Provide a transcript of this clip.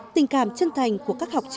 tình cảm chân thành của các học sinh